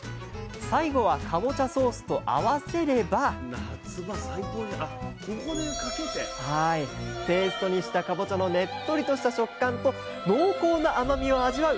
最後はかぼちゃソースと合わせればペーストにしたかぼちゃのねっとりとした食感と濃厚な甘みを味わう